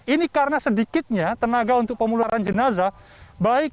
ini karena sedikitnya tenaga untuk pemuliharaan jenazah baik terutama yang di rumah sakit maupun di rumah sakit